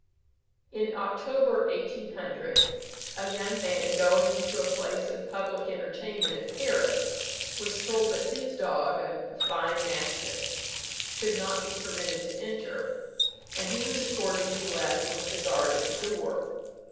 In October 1800, a young man going into a place of public entertainment at Paris, was told that his dog (a fine mastiff) could not be permitted to enter, and he was accordingly left with the guard at the door.